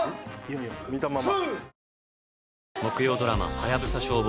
見たまま。